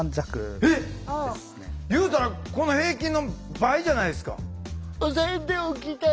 言うたらこの平均の倍じゃないですか。